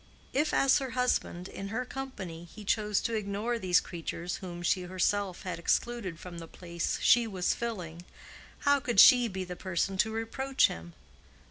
If as her husband, in her company, he chose to ignore these creatures whom she herself had excluded from the place she was filling, how could she be the person to reproach him?